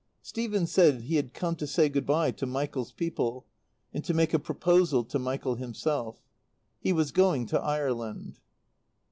Stephen said he had come to say good bye to Michael's people and to make a proposal to Michael himself. He was going to Ireland.